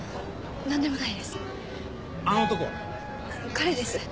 彼です。